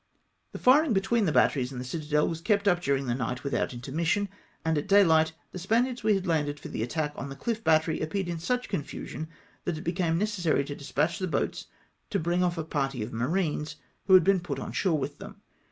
The firing between the batteries and the citadel was kept up during the night without intermission, and at dayhght the Spaniards we had landed for the attack on the cliff battery appeared in such confusion, that it be came necessary to despatch the boats to bring off a party of marines, who had been put on shore with them.